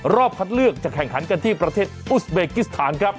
คัดเลือกจะแข่งขันกันที่ประเทศอุสเบกิสถานครับ